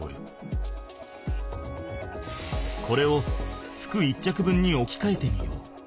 これを服１着分におきかえてみよう。